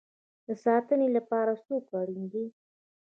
د ساتنې لپاره څوک اړین دی؟